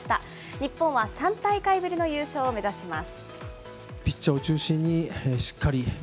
日本は３大会ぶりの優勝を目指します。